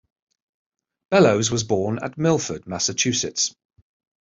Bellows was born at Milford, Massachusetts.